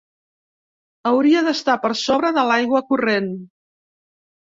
Hauria d'estar per sobre de l'aigua corrent.